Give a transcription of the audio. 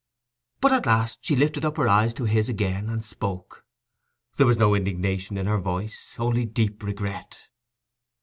But at last she lifted up her eyes to his again and spoke. There was no indignation in her voice—only deep regret.